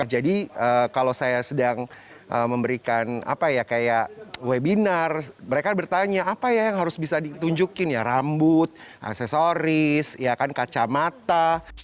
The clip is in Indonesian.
jadi kalau saya sedang memberikan webinar mereka bertanya apa yang harus bisa ditunjukin ya rambut aksesoris kacamata